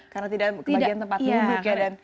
karena tidak kebagian tempat duduk ya